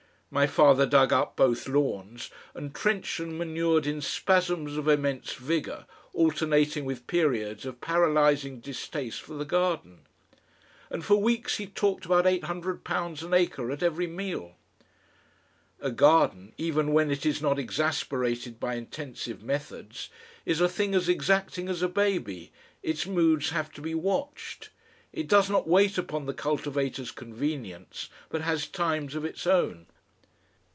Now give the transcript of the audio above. My father dug up both lawns, and trenched and manured in spasms of immense vigour alternating with periods of paralysing distaste for the garden. And for weeks he talked about eight hundred pounds an acre at every meal. A garden, even when it is not exasperated by intensive methods, is a thing as exacting as a baby, its moods have to be watched; it does not wait upon the cultivator's convenience, but has times of its own.